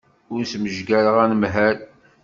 La smejgareɣ anemhal.